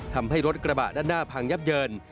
ทำให้รถกระบะด้านหน้าพังยับเยิน